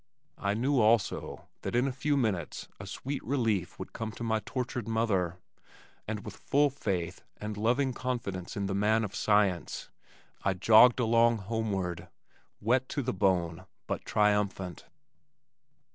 I knew also that in a few minutes a sweet relief would come to my tortured mother, and with full faith and loving confidence in the man of science, I jogged along homeward, wet to the bone but triumphant.